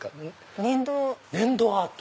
粘土アート？